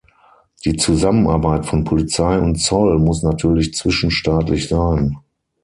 Die Zusammenarbeit von Polizei und Zoll muss natürlich zwischenstaatlich sein.